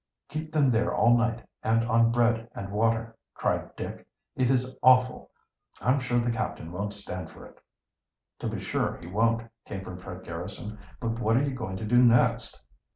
"Keep them there all night, and on bread and water!" cried Dick. "It is awful. I'm sure the captain won't stand for it." "To be sure he won't," came from Fred Garrison. "But what are you going to do next?"